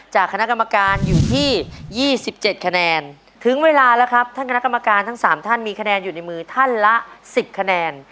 คณะกรรมการอยู่ที่๒๗คะแนนถึงเวลาแล้วครับท่านคณะกรรมการทั้ง๓ท่านมีคะแนนอยู่ในมือท่านละ๑๐คะแนน